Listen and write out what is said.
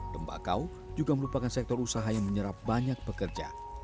tembakau juga merupakan sektor usaha yang menyerap banyak pekerja